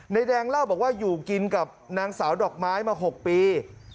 แดงเล่าบอกว่าอยู่กินกับนางสาวดอกไม้มา๖ปี